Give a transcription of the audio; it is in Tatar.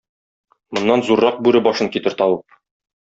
Моннан зуррак бүре башын китер табып!